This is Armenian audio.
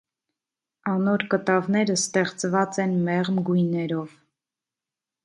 Անոր կտաւները ստեղծուած են մեղմ գոյներով։